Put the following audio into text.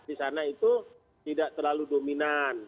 disana itu tidak terlalu dominan